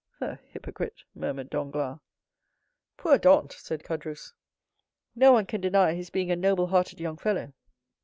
"The hypocrite!" murmured Danglars. "Poor Dantès!" said Caderousse. "No one can deny his being a noble hearted young fellow."